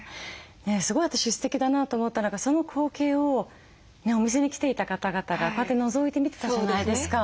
すごい私すてきだなと思ったのがその光景をお店に来ていた方々がこうやってのぞいて見てたじゃないですか。